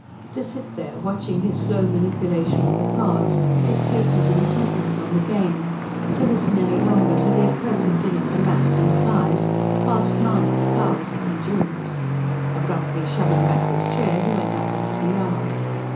To sit there watching his slow manipulation of the cards, his patent intentness on the game; to listen any longer to the accursed din of the gnats and flies passed Mahony's powers of endurance. Abruptly shoving back his chair, he went out into the yard.